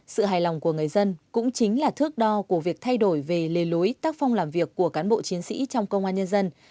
sự hài lòng của người dân cũng chính là thước đo của việc thay đổi về lề lối tác phong làm việc của cán bộ chiến sĩ trong công an nhân dân